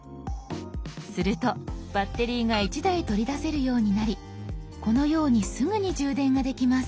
するとバッテリーが１台取り出せるようになりこのようにすぐに充電ができます。